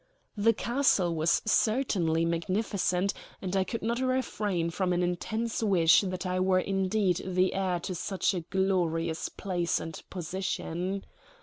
The castle was certainly magnificent; and I could not refrain from an intense wish that I were indeed the heir to such a glorious place and position.